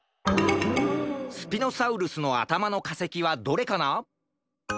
スピノサウルスのあたまのかせきはどれかな？